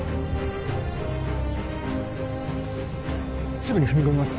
すぐに踏み込みます